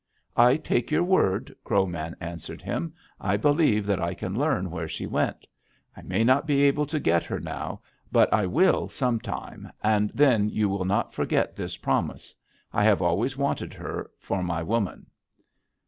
"'I take your word,' Crow Man answered him. 'I believe that I can learn where she went. I may not be able to get her now, but I will some time, and then you will not forget this promise. I have always wanted her for my woman.'